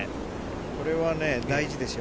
これはね、大事ですよ。